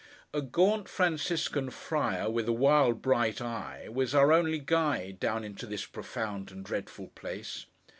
A gaunt Franciscan friar, with a wild bright eye, was our only guide, down into this profound and dreadful place.